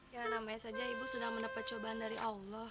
ya namanya saja ibu sedang mendapat cobaan dari allah